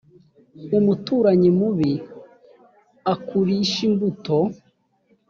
umuturanyi mubi akurishimbuto.